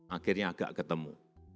akhirnya agak ketemu